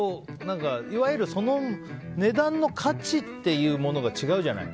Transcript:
いわゆるその値段の価値というものが違うじゃない。